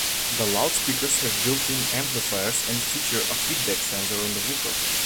The loudspeakers have built-in amplifiers and feature a feedback sensor on the woofer.